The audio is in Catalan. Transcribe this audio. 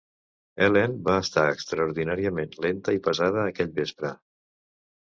Helene va estar extraordinàriament lenta i pesada aquell vespre.